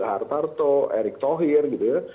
ya ini kan ketempat prabowo sandiaga uno ru dan lain lain